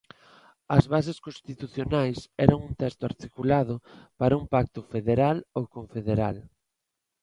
As Bases Constitucionais eran un texto articulado para un pacto federal ou confederal.